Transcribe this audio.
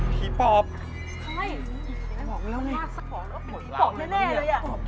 กินปอบแน่เลย